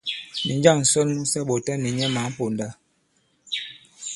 Nì njâŋ ǹsɔn mu sa ɓɔ̀ta nì nyɛ mǎn ponda?